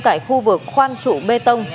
tại khu vực khoan trụ bê tông